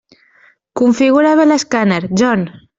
Configura bé l'escàner, John.